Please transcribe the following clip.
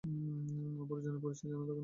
অপরজনের পরিচয় জানার দরকার নেই।